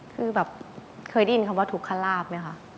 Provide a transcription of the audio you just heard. คือแบบเคยได้ยินคำว่าทุกขลาบไหมคะ